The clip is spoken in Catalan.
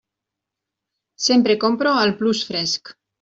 Sempre compro al Plus Fresc.